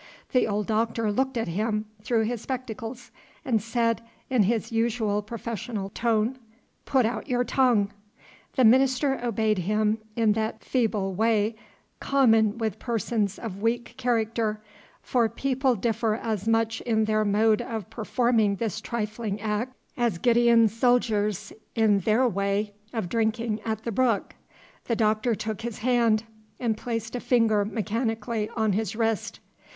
The old Doctor looked at him through his spectacles, and said, in his usual professional tone, "Put out your tongue." The minister obeyed him in that feeble way common with persons of weak character, for people differ as much in their mode of performing this trifling act as Gideon's soldiers in their way of drinking at the brook. The Doctor took his hand and placed a finger mechanically on his wrist.